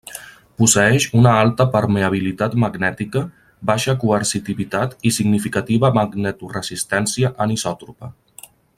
Posseeix una alta permeabilitat magnètica, baixa coercitivitat i significativa magnetoresistència anisòtropa.